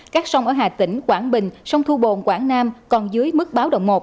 các sông ở hà tĩnh quảng bình sông thu bồn quảng nam còn dưới mức báo động một